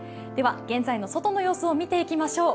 現在の外の様子を見ていきましょう。